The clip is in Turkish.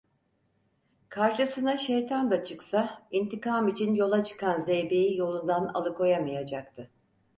Karşısına şeytan da çıksa, intikam için yola çıkan zeybeği yolundan alıkoyamayacaktı.